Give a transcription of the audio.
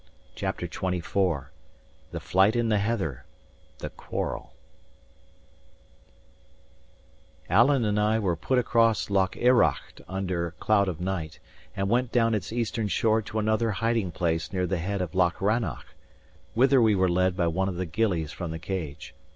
CHAPTER XXIV THE FLIGHT IN THE HEATHER: THE QUARREL Alan and I were put across Loch Errocht under cloud of night, and went down its eastern shore to another hiding place near the head of Loch Rannoch, whither we were led by one of the gillies from the Cage.